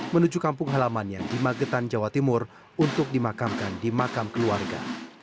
menuju kampung halamannya di magetan jawa timur untuk dimakamkan di makam keluarga